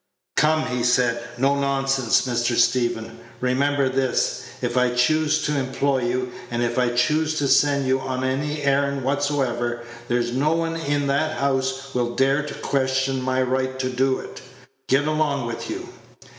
"Come," he said, "no nonsense, Mr. Stephen. Remember this: if I choose to employ you, and if I choose to send you on any errand whatsoever, there's no one in that house will dare to question my right to do it. Get along with you."